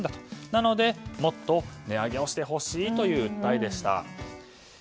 なのでもっと値上げをしてほしいという訴えでした。